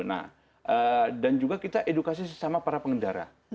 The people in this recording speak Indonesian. nah dan juga kita edukasi sesama para pengendara